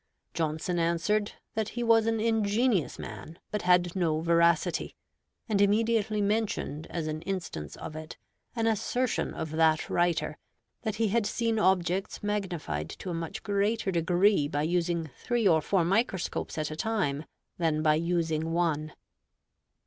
Johnson answered that he was an ingenious man, but had no veracity; and immediately mentioned as an instance of it an assertion of that writer, that he had seen objects magnified to a much greater degree by using three or four microscopes at a time than by using one.